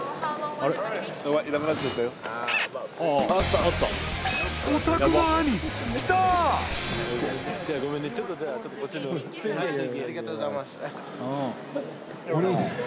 ありがとうございます。